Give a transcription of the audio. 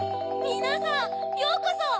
みなさんようこそ！